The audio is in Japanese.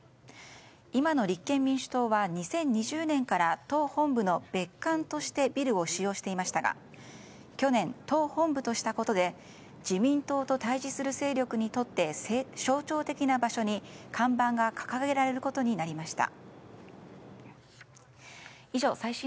今の立憲民主党は２０２０年から党本部の別館としてビルを使用していましたが去年、党本部としたことで自民党と対峙する勢力にとって象徴的な場所に看板が掲げられることになりました。